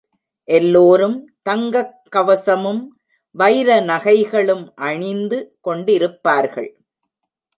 எல்லோரும் தங்கக் கவசமும் வைர நகைகளும் அணிந்து கொண்டிருப்பார்கள்.